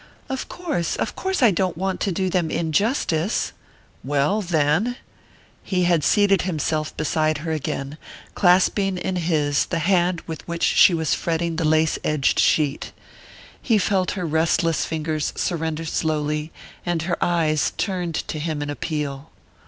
"Of course, of course I don't want to do them injustice!" "Well, then " He had seated himself beside her again, clasping in his the hand with which she was fretting the lace edged sheet. He felt her restless fingers surrender slowly, and her eyes turned to him in appeal.